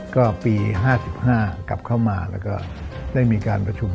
ก็ปี๕๕กลับเข้ามาแล้วก็ได้มีการประชุม